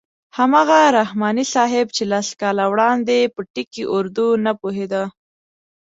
هماغه رحماني صاحب چې لس کاله وړاندې په ټکي اردو نه پوهېده.